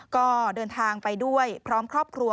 ก็เดินทางไปด้วยพร้อมครอบครัว